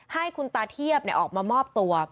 ให้คุณตาเทียบออกมามอบตัว